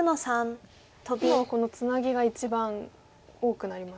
今はこのツナギが一番多くなりましたか？